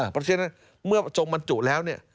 เพราะฉะนั้นเมื่อจงบรรจุแล้วเนี่ย